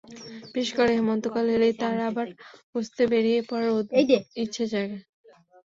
বিশেষ করে হেমন্তকাল এলেই তার আবার খুঁজতে বেরিয়ে পড়ার ইচ্ছা জাগে।